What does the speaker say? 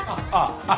あっ。